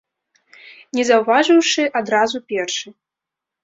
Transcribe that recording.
Не заўважыўшы адразу першы.